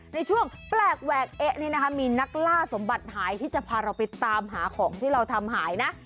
ในช่วงแปลกแหวกเอ๊ะนี่นะคะมีนักล่าสมบัติหายที่จะพาเราไปตามหาของที่เราทำหายนะ